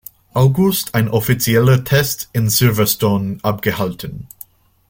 August ein offizieller Test in Silverstone abgehalten.